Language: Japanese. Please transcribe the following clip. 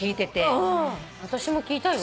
私も聞いたよ。